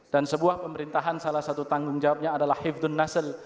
dan sebuah pemerintahan salah satu tanggung jawabnya adalah hifdun nasel